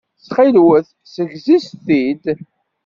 Ttxilwet ssegzit-t-id.